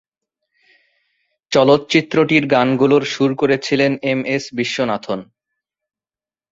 চলচ্চিত্রটির গানগুলোর সুর করেছিলেন এম এস বিশ্বনাথন।